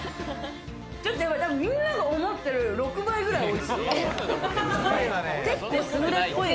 皆が思ってる６倍ぐらいおいしい！